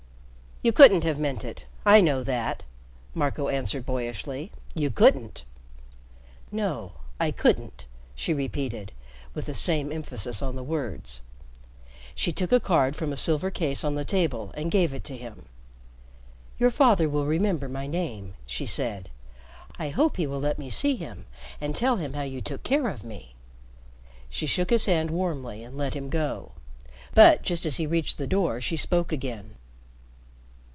"You couldn't have meant it. I know that," Marco answered boyishly. "You couldn't." "No, I couldn't," she repeated, with the same emphasis on the words. She took a card from a silver case on the table and gave it to him. "Your father will remember my name," she said. "I hope he will let me see him and tell him how you took care of me." She shook his hand warmly and let him go. But just as he reached the door she spoke again.